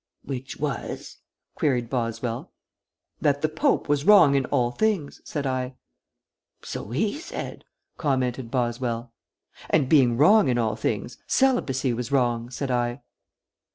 "Which was?" queried Boswell. "That the Pope was wrong in all things," said I. "So he said," commented Boswell. "And being wrong in all things, celibacy was wrong," said I.